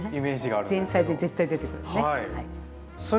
前菜で絶対出てくるよね。